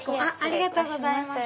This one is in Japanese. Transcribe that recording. ありがとうございます。